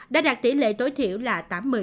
đã đạt tỷ lệ tối thiểu là tám mươi